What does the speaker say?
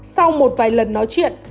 sau một vài lần nói chuyện